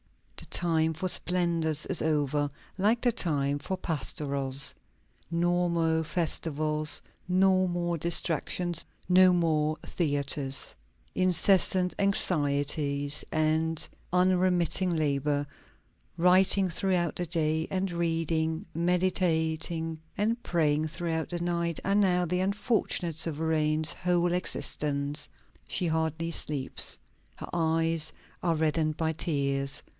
The time for splendors is over, like the time for pastorals. No more festivals, no more distractions, no more theatres. Incessant anxieties and unremitting labor; writing throughout the day and reading, meditating, and praying throughout the night, are now the unfortunate sovereign's whole existence. She hardly sleeps. Her eyes are reddened by tears.